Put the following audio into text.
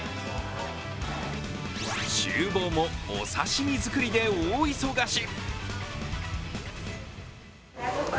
ちゅう房もお刺身作りで大忙し。